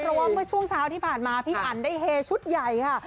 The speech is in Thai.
เพราะว่าเมื่อช่วงเช้าที่ผ่านมาพี่อันได้เฮชุดใหญ่ค่ะ